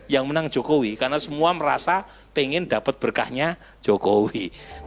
yang menang jokowi karena semua merasa pengen dapat berkahnya jokowi